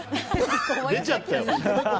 出ちゃったよ。